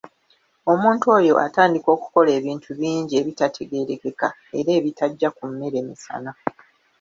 Omuntu oyo atandika okukola ebintu bingi ebitategeerekeka era ebitajja ku mmere misana!